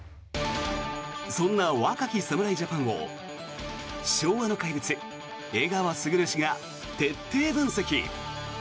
そんな若き侍ジャパンを昭和の怪物、江川卓氏が徹底分析。